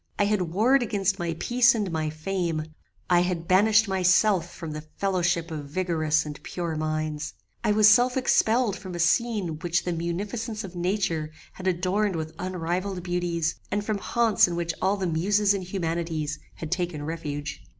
I had warred against my peace and my fame: I had banished myself from the fellowship of vigorous and pure minds: I was self expelled from a scene which the munificence of nature had adorned with unrivalled beauties, and from haunts in which all the muses and humanities had taken refuge.